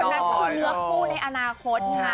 คนนั้นคือเนื้อผู้ในอนาคต